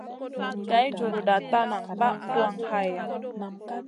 Kay juruda ta nan bah tuwan hayna.